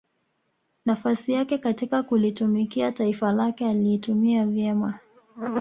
nafasi yake katika kulitumikia taifa lake aliitumia vyema